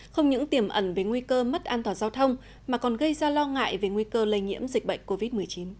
không những tiềm ẩn với nguy cơ mất an toàn giao thông mà còn gây ra lo ngại về nguy cơ lây nhiễm dịch bệnh covid một mươi chín